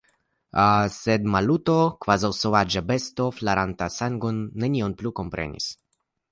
Sed Maluto, kvazaŭ sovaĝa besto, flaranta sangon, nenion plu komprenis.